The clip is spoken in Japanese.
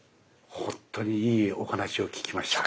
本当にいいお話を聞きました。